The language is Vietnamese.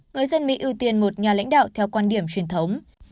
người dân mỹ ưu tiên một nhà lãnh đạo theo quan điểm truyền thống